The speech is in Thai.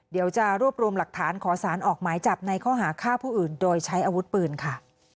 เดี๋ยวจะรวบรวมหลักฐานขอสารออกหมายจับในข้อหาฆ่าผู้อื่นโดยใช้อาวุธปืนค่ะ